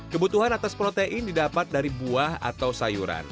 kebutuhan atas protein didapat dari buah atau sayuran